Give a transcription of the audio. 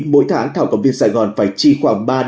mỗi tháng thảo cầm viên sài gòn phải chi khoảng